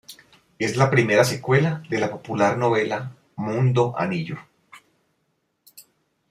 Es la primera secuela de la popular novela "Mundo Anillo".